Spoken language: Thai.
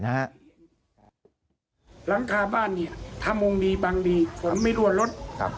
หลังคาบ้านเนี่ยถ้ามงดีบางดีไม่รัวรถ